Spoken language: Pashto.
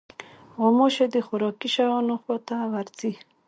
غوماشې د خوراکي شیانو خوا ته ورځي.